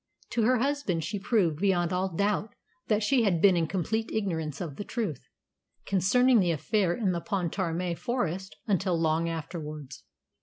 To her husband she proved beyond all doubt that she had been in complete ignorance of the truth concerning the affair in the Pontarmé Forest until long afterwards.